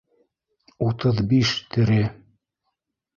Утыҙ бише тере.